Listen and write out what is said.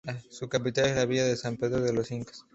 Su capital es la villa de San Pedro de los Incas.